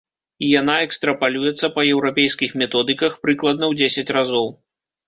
І яна экстрапалюецца па еўрапейскіх методыках прыкладна ў дзесяць разоў.